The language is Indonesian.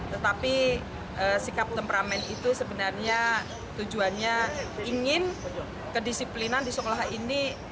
tetapi sikap temperamen itu sebenarnya tujuannya ingin kedisiplinan di sekolah ini